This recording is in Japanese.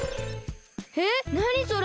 えっなにそれ？